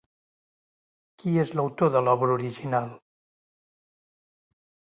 Qui és l'autor de l'obra original?